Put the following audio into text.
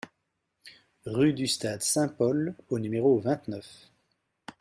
Rue du Stade Saint-Paul au numéro vingt-neuf